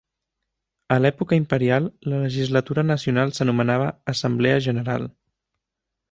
A l'època imperial la legislatura nacional s'anomenava "Assemblea General".